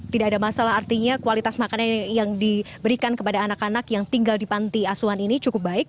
tidak ada masalah artinya kualitas makanan yang diberikan kepada anak anak yang tinggal di panti asuhan ini cukup baik